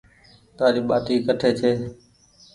تآري ٻآٽي ڪٽي ڇي۔